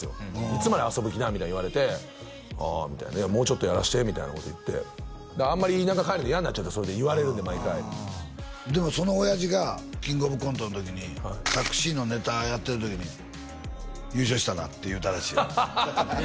「いつまで遊ぶ気だ」みたいに言われて「ああ」みたいな「もうちょっとやらせて」みたいなこと言ってあんまり田舎帰るの嫌になっちゃってそれで言われるんで毎回でもその親父が「キングオブコント」の時にタクシーのネタやってる時に「優勝したな」って言うたらしいへえ最中に？